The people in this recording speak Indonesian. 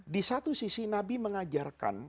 di satu sisi nabi mengajarkan